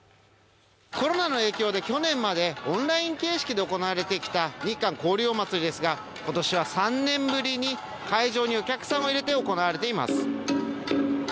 コロナの影響で去年までオンライン形式で行われてきた日韓交流おまつりですが今年は３年ぶりに会場にお客さんを入れて行われています。